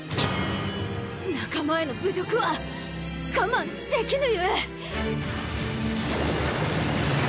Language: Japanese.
仲間への侮辱は我慢できぬゆえ！